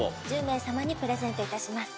１０名様にプレゼントいたします。